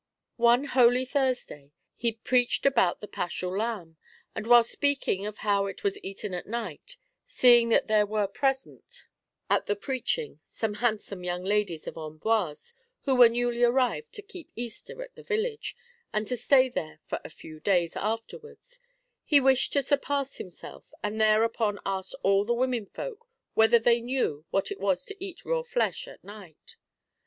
One Holy Thursday he preached about the Paschal Lamb, and while speaking of how it was eaten at night, seeing that there were present at 1 See ante, p. 89, note 2, and/otf, Appendix B. 95 96 THE HEPrAMERON. the preaching some handsome young ladies of Amboise, who were newly arrived to keep Easter at the village, and to stay there for a few days afterwards, he wished to surpass himself, and thereupon asked all the women folk whether they knew what it was to eat raw flesh at night.